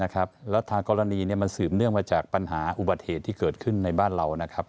แล้วทางกรณีมันสืบเนื่องมาจากปัญหาอุบัติเหตุที่เกิดขึ้นในบ้านเรานะครับ